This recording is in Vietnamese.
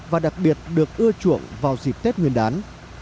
và đặc biệt được ưa chuộng vào dịp tết nguyên đán